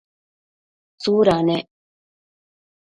tsuda ne?